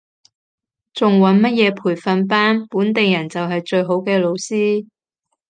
仲揾乜嘢培訓班，本地人就係最好嘅老師